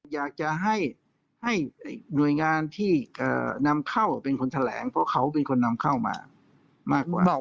อยากจะให้หน่วยงานที่นำเข้าเป็นคนแถลงเพราะเขาเป็นคนนำเข้ามามากกว่า